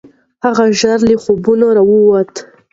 هغه ژر له خوبونو راووت.